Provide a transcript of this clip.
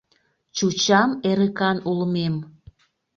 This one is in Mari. Чучам эрыкан улмем.